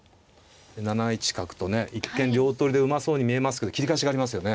７一角とね一見両取りでうまそうに見えますけど切り返しがありますよね。